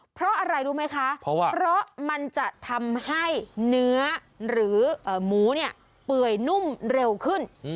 เพราะอะไรรู้ไหมคะเพราะมันจะทำให้เนื้อหรือหมูเนี่ยเปื่อยนุ่มเร็วขึ้น